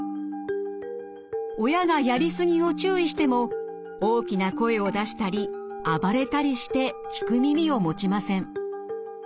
親がやり過ぎを注意しても大きな声を出したり暴れたりして聞く耳を持ちません。